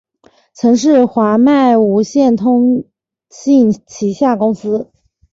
曾是华脉无线通信旗下公司。